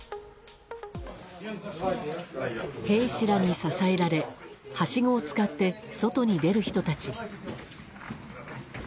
兵士らに支えられはしごを使って外に出る人たち。